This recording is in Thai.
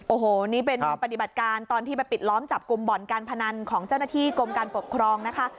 โอ้โหนี่เป็นปฏิบัติการตอนที่ไปปิดล้อมจับกลุ่มบ่อนการพนันของเจ้าหน้าที่กรมการปกครองนะคะ